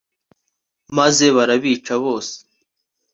maze barabica bose